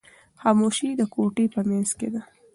خاموشي د کوټې په منځ کې ده.